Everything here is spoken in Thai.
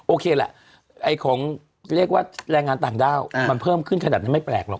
โอเคแหละของเรียกว่าแรงงานต่างด้าวมันเพิ่มขึ้นขนาดนั้นไม่แปลกหรอก